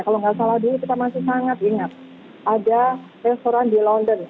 kalau nggak salah dulu kita masih sangat ingat ada restoran di london